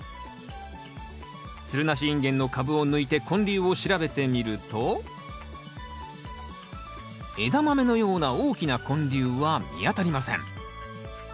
つるなしインゲンの株を抜いて根粒を調べてみるとエダマメのような大きな根粒は見当たりません。